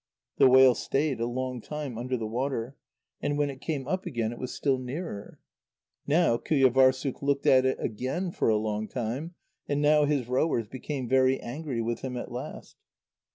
The whale stayed a long time under the water, and when it came up again it was still nearer. Now Qujâvârssuk looked at it again for a long time, and now his rowers became very angry with him at last.